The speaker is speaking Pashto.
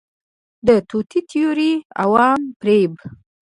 د توطئې تیوري، عوام فریب